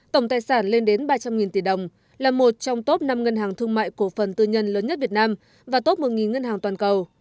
tổng tài sản lên đến ba trăm linh tỷ đồng là một trong top năm ngân hàng thương mại cổ phần tư nhân lớn nhất việt nam và top một ngân hàng toàn cầu